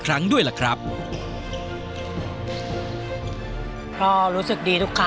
นอกจากนักเตะรุ่นใหม่จะเข้ามาเป็นตัวขับเคลื่อนทีมชาติไทยชุดนี้แล้ว